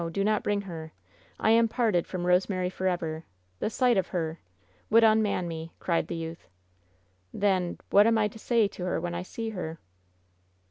Do not bring her! I am parted from Rosemary forever! The sight of her — ^would un man me!" cried the youth. "Then — ^what am I to say to her when I see her